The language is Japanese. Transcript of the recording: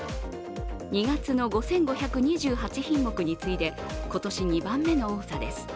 ２月の５５２８品目に次いで今年２番目の多さです。